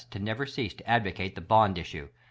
to never cease to advocate the BOND issue.